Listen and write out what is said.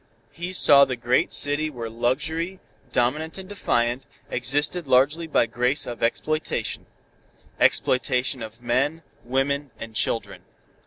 He saw the great city where luxury, dominant and defiant, existed largely by grace of exploitation exploitation of men, women and children.